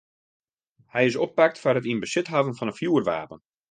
Hy is oppakt foar it yn besit hawwen fan in fjoerwapen.